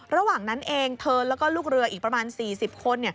ระหว่างนั้นเองเธอแล้วก็ลูกเรืออีกประมาณ๔๐คน